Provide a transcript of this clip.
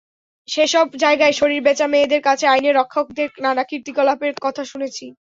সেসব জায়গায় শরীর বেচা মেয়েদের কাছে আইনের রক্ষকদের নানা কীর্তিকলাপের কথা শুনেছি।